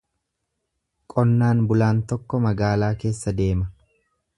Qonnaan bulaan tokko magaalaa keessa deema.